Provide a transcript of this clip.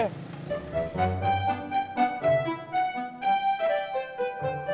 lagi dikeren avoir kerju